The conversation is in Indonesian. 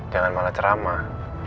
jangan malah ceramah